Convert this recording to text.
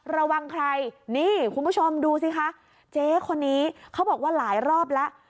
ระวังใครนี่คุณผู้ชมดูสิคะเจ๊คนนี้เขาบอกว่าหลายรอบแล้ว